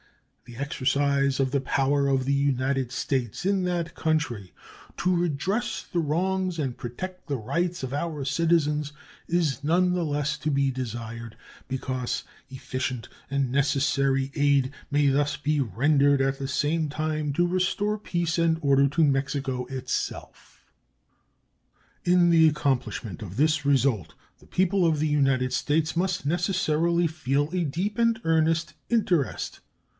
The exercise of the power of the United States in that country to redress the wrongs and protect the rights of our own citizens is none the less to be desired because efficient and necessary aid may thus be rendered at the same time to restore peace and order to Mexico itself. In the accomplishment of this result the people of the United States must necessarily feel a deep and earnest interest.